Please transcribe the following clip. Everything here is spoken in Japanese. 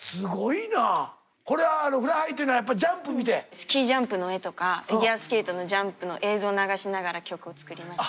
スキージャンプの絵とかフィギュアスケートのジャンプの映像流しながら曲を作りました。